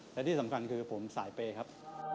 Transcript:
และที่สำคัญคือผมสายเปย์ครับ